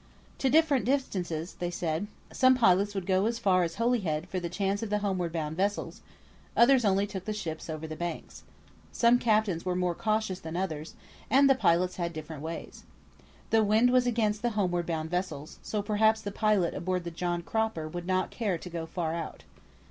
To different distances they said. Some pilots would go as far as Holyhead for the chance of the homeward bound vessels; others only took the ships over the Banks. Some captains were more cautious than others, and the pilots had different ways. The wind was against the homeward bound vessels, so perhaps the pilot aboard the John Cropper would not care to go far out.